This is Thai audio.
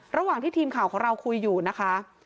ระหว่างที่ทีมข่าวของเราคุยอยู่นะคะ